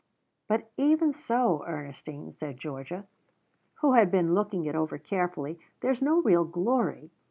"But even so, Ernestine," said Georgia, who had been looking it over carefully, "there's no real glory.